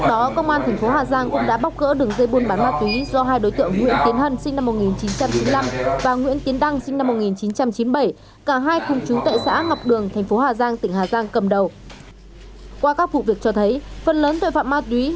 tại cơ quan công an hai đối tượng đã thành khẩn khai nhận hành vi phạm tội